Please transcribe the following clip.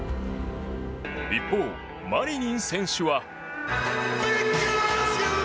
一方、マリニン選手は。